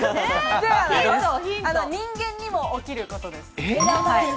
人間にも起きることです。